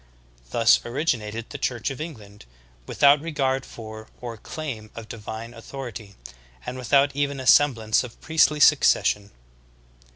Thus originated the Church of England, without regard for or claim of divine authority, and without even a semblance of priestly succession.